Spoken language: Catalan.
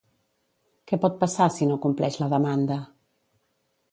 Què pot passar si no compleix la demanda?